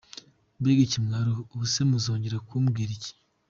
Mbega ikimwaroo, Ubu se muzongera kubwiriza iki? .